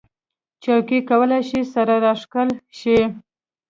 چوکۍ کولی شي سره راښکل شي.